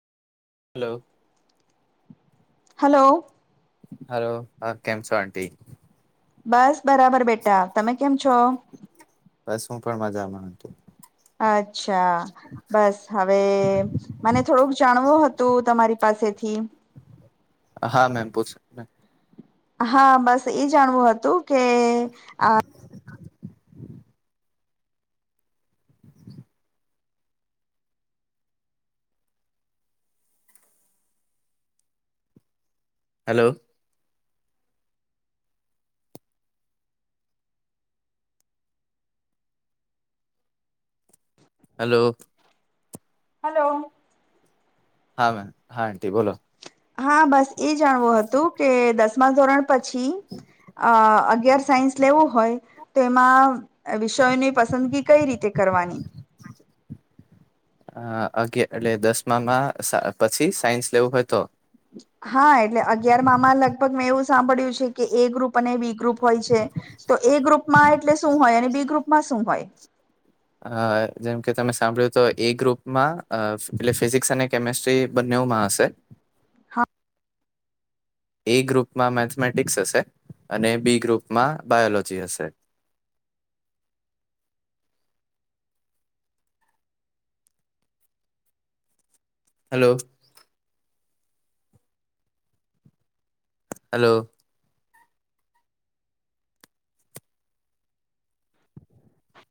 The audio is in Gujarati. Hello hello. હલો, હા કેમ છો, આંટી બસ બરાબર, બેટા તમે કેમ છો. બસ હું, પણ મજામાંતોું અચ્છા બસ હવે, મને થોડુંક જાણવું હતું તમારી પાસે હસેથી હા, મેમ પૂછ મે હા, બસ એ જાણવું હતું, કે આ હલો. હેલો. હલો. હા, હા આટી બોલો હા, બસ એ જાણવું હતું, કે દસમા ધોરણ પછી અ અગર સાયન્સ લેવું હોય, તો એમાં વિષયોની પસંદગી કઈ રીતે કરવાની અ અગિયાર એટલે દસમામાં પછી, સાયન્સ લેવું હોય, તો હા એટલે અગિયારમાંમાં લગભગ મેં એવું સાંભળ્યું છે, કે એ ગ્રુપ અને બી ગ્રુપ હોય છે, તો એ ગ્રુપમાં એટલે શું હોય અને બી ગ્રુપ મા, શુંભાઈ અ જેમ કે તમે સાંભળ્યું, તો એ ગ્રુપમાં એટલે ફિઝિક્સ અને કેમેસ્ટ્રી બંને ન માસ હા. એ ગ્રુપમાં મેથેમેટિક્સ હશે, અને બી ગ્રુપમાં બાયોલોજી હશે. હલો. હલો.